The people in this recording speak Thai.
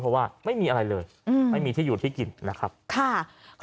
เพราะว่าไม่มีอะไรเลยไม่มีที่อยู่ที่กินนะครับ